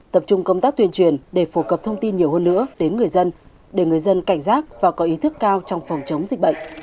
tập trung công tác tuyên truyền để phổ cập thông tin nhiều hơn nữa đến người dân để người dân cảnh giác và có ý thức cao trong phòng chống dịch bệnh